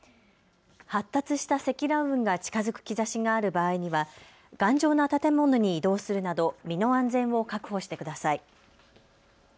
発達した積乱雲が近づく兆しがある場合には頑丈な建物に移動するなど身の安全を確保してください。